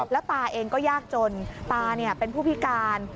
แล้วตาเองก็ยากจนตาเป็นผู้พิการ